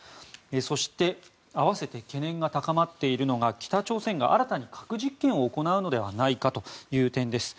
そして併せて懸念が高まっているのが北朝鮮が新たに核実験を行うのではないかという点です。